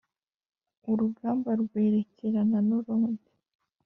urugamba rwerekerana n’urundi.